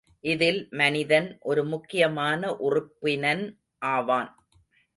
இதில் மனிதன் ஒரு முக்கியமான உறுப்பினன் ஆவான்.